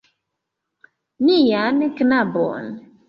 Nian knabon.